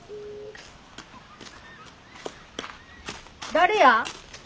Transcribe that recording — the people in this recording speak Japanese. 誰や？